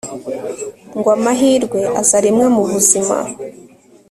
ngo amahirwe aza rimwe mu buzima